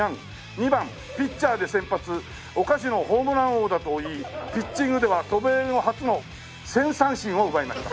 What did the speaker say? ２番ピッチャーで先発お菓子のホームラン王だと言いピッチングでは渡米後初の１０００三振を奪いました。